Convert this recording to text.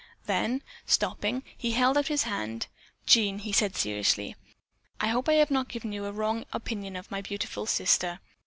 Then, stopping, he held out his hand. "Jean," he said seriously, "I hope I have not given you a wrong opinion of my beautiful sister.